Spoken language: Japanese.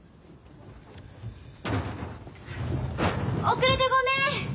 ・・遅れてごめん！